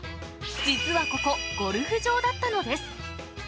実はここ、ゴルフ場だったのです。